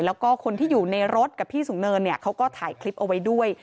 แล้วก็คนที่อยู่ในรถกับพี่สูงเนินเนี่ยเขาก็ถ่ายคลิปเอาไว้ด้วย